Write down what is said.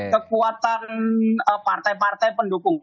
kekuatan partai partai pendukung